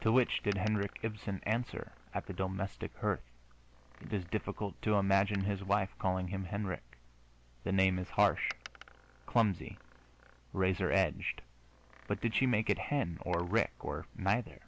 To which did Henrik Ibsen answer at the domestic hearth? It is difficult to imagine his wife calling him Henrik: the name is harsh, clumsy, razor edged. But did she make it Hen or Rik, or neither?